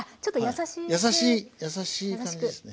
優しい優しい感じですね。